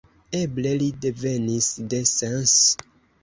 Eble li devenis de Sens.